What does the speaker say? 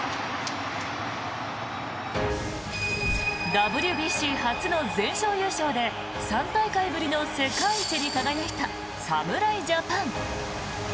ＷＢＣ初の全勝優勝で３大会ぶりの世界一に輝いた侍ジャパン。